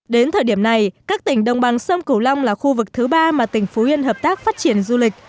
đến thời điểm này các tỉnh đồng bằng sông cửu long là khu vực thứ ba mà tỉnh phú yên hợp tác phát triển du lịch